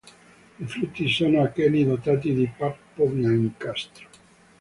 I frutti sono acheni dotati di pappo biancastro.